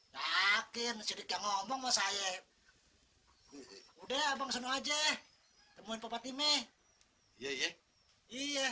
yakin sedikit ngomong saya udah abang seno aja temuin bapak timing iya iya iya